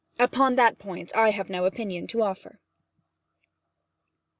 Upon that point I have no opinion to offer.